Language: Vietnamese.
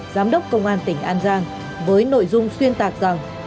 giám đốc công an tỉnh an giang với nội dung xuyên tạc rằng